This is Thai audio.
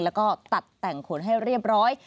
แล้วก็ตัดแต่งขนให้เรียบร้อย